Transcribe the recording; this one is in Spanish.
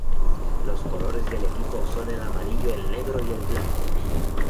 Los colores del equipo son el amarillo, el negro y el blanco.